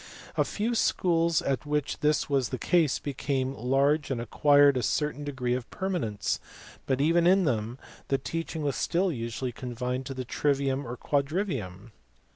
A few schools at which this was the case became large and acquired a certain degree of permanence, but even in them the teaching was still usually confined to the trivium and quadrivium.